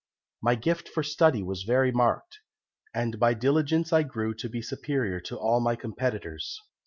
"My gift for study was very marked, and by diligence I grew to be superior to all my competitors.